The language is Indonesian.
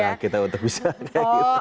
bisa kita untuk bisa kayak gitu